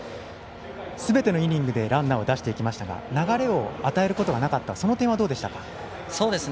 すべてのイニングでランナーを出していきましたが流れを与えることがなかった点はどうでしたか？